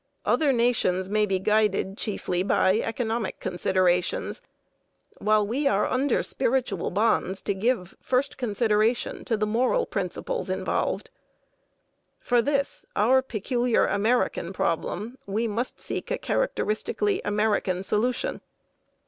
Other nations may be guided chiefly by economic considerations, while we are under spiritual bonds to give first consideration to the moral principles involved. For this, our peculiar American problem, we must seek a characteristically American solution.